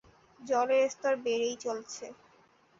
জলের স্তর বেড়েই চলেছে।